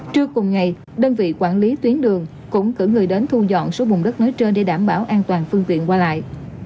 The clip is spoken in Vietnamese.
trưa cùng ngày đơn vị quản lý tuyến đường cũng cử người đến thu dọn số bùng đất nối trơn để đảm bảo an toàn phương tiện qua lại